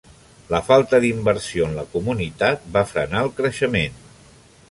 La falta d'inversió en la comunitat va frenar el creixement.